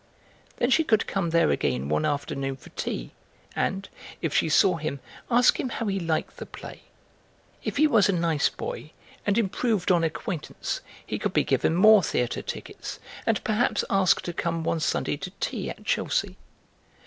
Then she could come there again one afternoon for tea, and, if she saw him, ask him how he liked the play. If he was a nice boy and improved on acquaintance he could be given more theatre tickets, and perhaps asked to come one Sunday to tea at Chelsea.